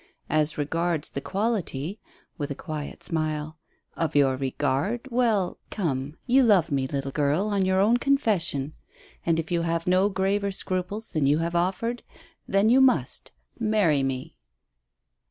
As regards the quality" with a quiet smile "of your regard, well, come, you love me, little girl, on your own confession, and if you have no graver scruples than you have offered, then you must marry me."